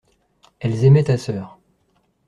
Elles aimaient ta sœur.